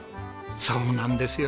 そうなんですよね。